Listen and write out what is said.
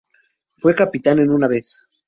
Fue capitán en una vez.